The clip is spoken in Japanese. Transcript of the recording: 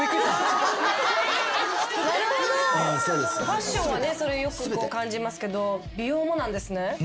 ファッションはねそれよく感じますけど美容もなんですね。